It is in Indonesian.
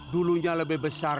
dulunya lebih besar